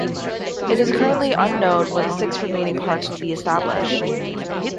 It is currently unknown when the six remaining parks will be established.